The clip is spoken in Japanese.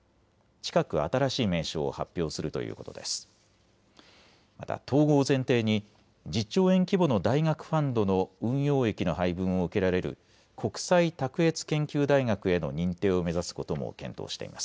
近く新しい名称を発表するということです。